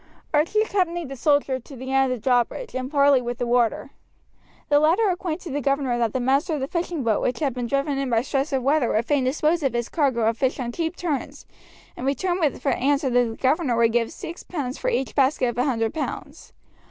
Archie accompanied the soldier to the end of the drawbridge, and parleyed with the warder. The latter acquainted the governor that the master of the fishing boat which had been driven in by stress of weather would fain dispose of his cargo of fish on cheap terms, and returned for answer that the governor would give sixpence for each basket of a hundred pounds.